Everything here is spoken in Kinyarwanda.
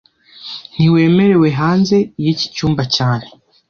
Ntiwemerewe hanze yiki cyumba cyane